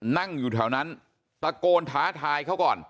นั่งอยู่แถวนั้นตะโกนท้าทายเขาก่อน